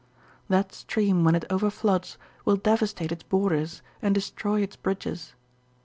That stream when it overfloods will devastate its borders and destroy its bridges.